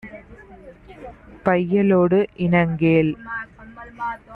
பையலோடு இணங்கேல்.